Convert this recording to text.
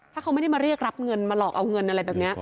ถ้าเขาไม่ได้มาเรียกรับเงินมาหลอกเอาเงินอะไรแบบนี้